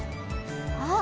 あっ！